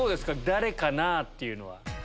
誰かな？っていうのは。